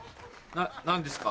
何ですか？